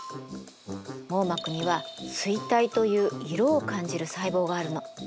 網膜には錐体という色を感じる細胞があるの。